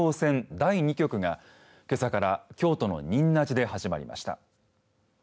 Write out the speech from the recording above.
第２局がけさから京都の仁和寺で始まりました。